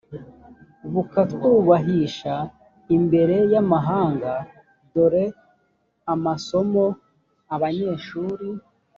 bukatwubahisha imbere y amahanga. dore amasomo abanyeshuri